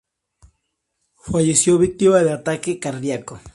Falleció víctima de ataque cardíaco.